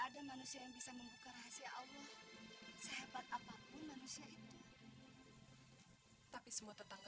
ada manusia yang bisa membuka rahasia allah sehebat apapun manusia itu tapi semua tetangga